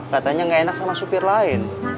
katanya nggak enak sama supir lain